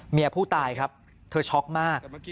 เมียผู้ตายครับเธอช็อกมาก